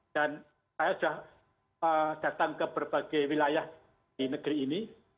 dan saya sudah datang ke berbagai wilayah di negeri ini